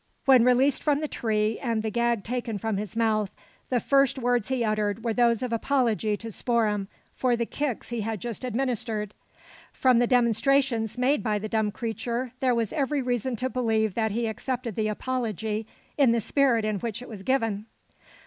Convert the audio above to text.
When released from the tree, and the gag taken from his mouth, the first words he uttered were those of apology to Spoor'em, for the kicks he had just administered! From the demonstrations made by the dumb creature, there was every reason to believe that he accepted the apology in the spirit in which it was given!